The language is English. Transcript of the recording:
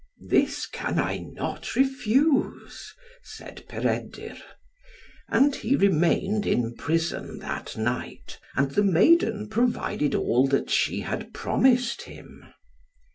"This can I not refuse," said Peredur. And he remained in prison that night. And the maiden provided all that she had promised him.